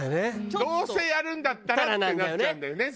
どうせやるんだったらってなっちゃうんだよね多分ね。